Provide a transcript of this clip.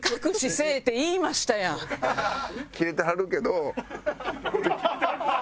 キレてはるけど。